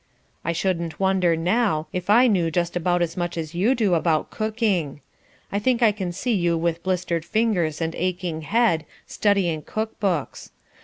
I shouldn't wonder, now, if I knew just about as, much as you do about cooking. I think I can see you with blistered fingers and aching head, studying cook books.